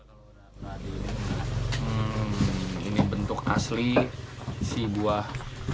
kalau ini bentuk asli si buah